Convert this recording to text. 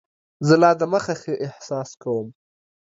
زه لا دمخه ښه احساس کوم.